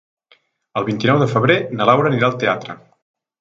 El vint-i-nou de febrer na Laura anirà al teatre.